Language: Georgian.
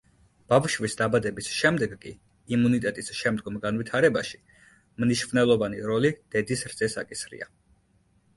ბავშვის დაბადების შემდეგ კი იმუნიტეტის შემდგომ განვითარებაში მნიშვნელოვანი როლი დედის რძეს აკისრია.